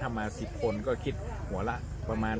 ถ้ามา๑๐คนก็คิดหัวละประมาณ